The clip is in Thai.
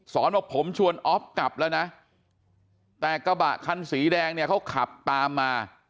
ว่าผมชวนออฟกลับแล้วนะแต่กระบะคันสีแดงเนี่ยเขาขับตามมา